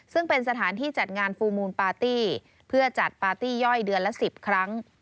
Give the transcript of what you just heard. ซึ่งเป็นสถานที่จัดงานฟูลมูลปาร์ตี้เพื่อจัดปาร์ตี้ย่อยเดือนละ๑๐ครั้ง